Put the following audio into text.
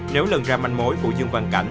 nếu lần ra manh mối của dương văn cảnh